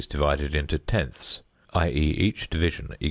divided into tenths (i.e., each division = 0.